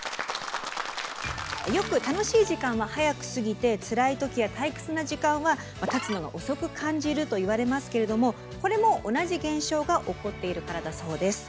よく楽しい時間は早く過ぎてツラいときや退屈な時間はたつのが遅く感じると言われますけれどもこれも同じ現象が起こっているからだそうです。